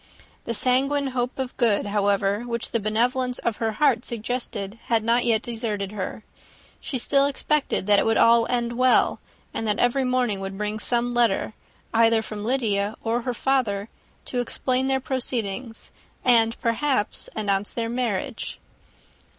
The sanguine hope of good, however, which the benevolence of her heart suggested, had not yet deserted her; she still expected that it would all end well, and that every morning would bring some letter, either from Lydia or her father, to explain their proceedings, and, perhaps, announce the marriage.